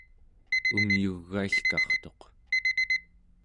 umyugailkartuq